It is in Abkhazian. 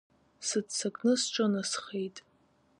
Сыццакны сҿынасхеит.